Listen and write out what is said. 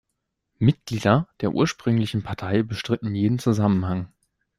Mitglieder der ursprünglichen Partei bestritten jeden Zusammenhang.